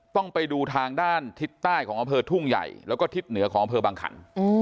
ต้องไปดูทางด้านทิศใต้ของอำเภอทุ่งใหญ่แล้วก็ทิศเหนือของอำเภอบังขัน